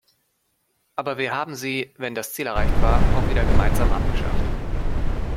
Aber wir haben sie, wenn das Ziel erreicht war, auch wieder gemeinsam abgeschafft.